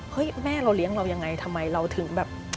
แม่เราเลี้ยงเรายังไงทำไมเราถึงแบบ